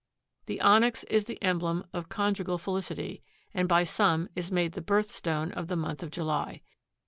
The onyx is the emblem of conjugal felicity and by some is made the "birth stone" of the month of July.